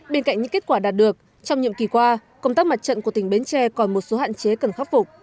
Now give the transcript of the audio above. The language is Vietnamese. bên cạnh những kết quả đạt được trong nhiệm kỳ qua công tác mặt trận của tỉnh bến tre còn một số hạn chế cần khắc phục